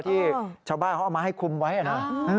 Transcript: ที่ชาวบ้านเขาเอามาให้คุมไว้นะ